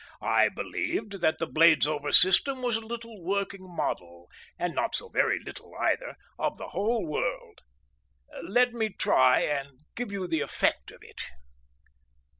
I believed that the Bladesover system was a little working model—and not so very little either—of the whole world. Let me try and give you the effect of it.